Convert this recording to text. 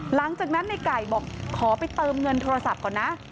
หลังจากนั้นในไก่บอกขอไปเติมเงินโทรศัพท์ก่อนนะ